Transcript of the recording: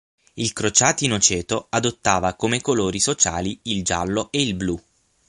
Il Crociati Noceto adottava come colori sociali il giallo e il blu.